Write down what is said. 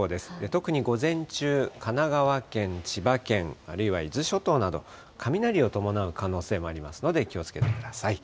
特に午前中、神奈川県、千葉県、あるいは伊豆諸島など、雷を伴う可能性もありますので、気をつけてください。